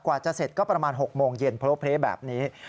กว่าจะเสร็จก็ประมาณ๖โมงเย็นโพลเพลแบบนี้